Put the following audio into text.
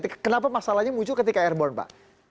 kenapa masalahnya muncul ketika airborne pak